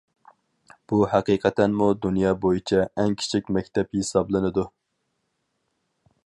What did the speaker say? بۇ ھەقىقەتەنمۇ دۇنيا بويىچە ئەڭ كىچىك مەكتەپ ھېسابلىنىدۇ.